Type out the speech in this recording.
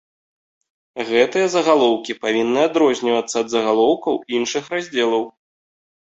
Гэтыя загалоўкі павінны адрознівацца ад загалоўкаў іншых раздзелаў.